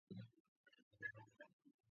მთის ფერდობებზე ტერასები ჰქონდათ მოწყობილი.